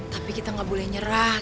tapi kita nggak boleh nyerah